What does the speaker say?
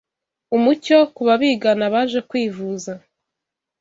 umucyo ku babigana baje kwivuza.